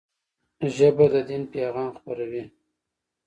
ژبه د دین پيغام خپروي